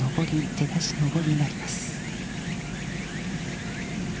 出だし、上りになります。